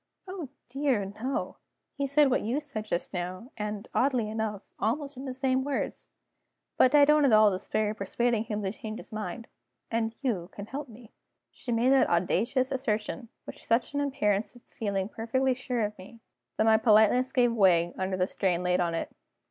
"Oh dear, no! He said what you said just now, and (oddly enough) almost in the same words. But I don't at all despair of persuading him to change his mind and you can help me." She made that audacious assertion with such an appearance of feeling perfectly sure of me, that my politeness gave way under the strain laid on it.